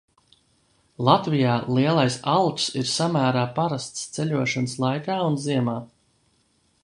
Latvijā lielais alks ir samērā parasts ceļošanas laikā un ziemā.